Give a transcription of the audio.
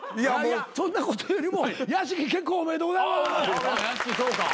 そんなことよりも屋敷結婚おめでとうございます。